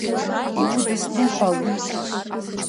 Иудысныҳәалоит!